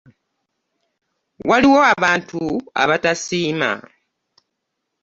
Waliwo abantu abatasiima.